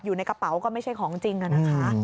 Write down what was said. อยู่ในกระเป๋าก็ไม่ใช่ของจริงอะนะคะ